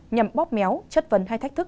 nhằm bóp méo chất vấn hay thách thức